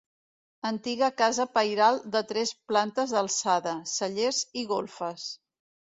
Antiga casa pairal de tres plantes d'alçada, cellers i golfes.